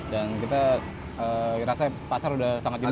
dan kita rasanya pasar udah sangat jenuh